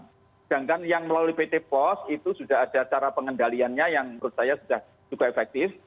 sedangkan yang melalui pt pos itu sudah ada cara pengendaliannya yang menurut saya sudah juga efektif